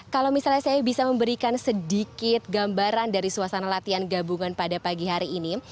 kalau misalnya saya bisa memberikan sedikit gambaran dari suasana latihan gabungan pada pagi hari ini